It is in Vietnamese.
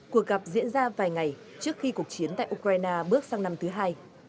cuộc gặp diễn ra vài ngày trước khi cuộc chiến tại ukraine bước sang năm thứ hai